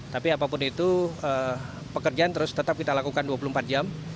tapi apapun itu pekerjaan terus tetap kita lakukan dua puluh empat jam